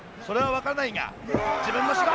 それは分からないが自分の。